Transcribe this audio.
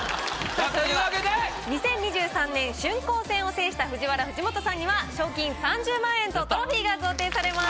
さぁそれでは２０２３年春光戦を制したＦＵＪＩＷＡＲＡ・藤本さんには賞金３０万円とトロフィーが贈呈されます。